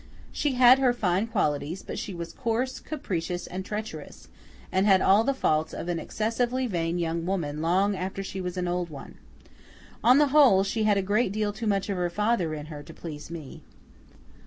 She had her fine qualities, but she was coarse, capricious, and treacherous, and had all the faults of an excessively vain young woman long after she was an old one. On the whole, she had a great deal too much of her father in her, to please me.